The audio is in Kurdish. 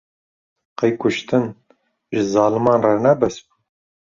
Qey kuştin, ji zaliman re ne bes bû